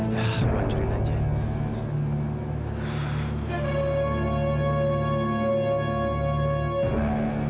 ya aku hancurin aja